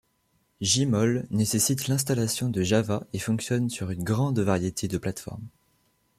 Jmol nécessite l'installation de Java et fonctionne sur une grande variété de plates-formes.